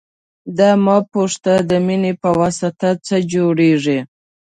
دا مه پوښته د مینې پواسطه څه جوړېږي.